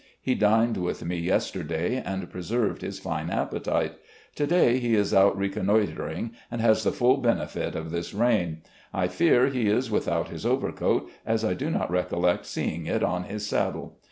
He dined with me yesterday and preserves his fine appetite. To day he is out reconnoitring and has the full benefit of this rain. I fear he is without his overcoat, as I do not recollect seeing it on his saddle.